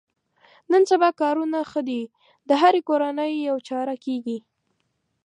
نن سبا کارونه ښه دي د هرې کورنۍ یوه چاره کېږي.